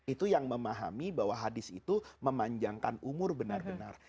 itu yang memahami bahwa hadis itu memanjangkan umur benar benar